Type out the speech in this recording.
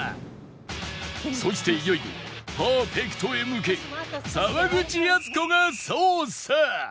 そしていよいよパーフェクトへ向け沢口靖子が捜査！